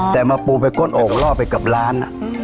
แต่มาปูไปก้นโอ่งล่อไปกับร้าน